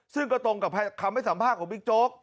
ซึ่งกระตงกับคำไว้สัมภาคของบิ๊กโจ๊ก